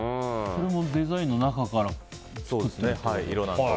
これもデザインの中から作った？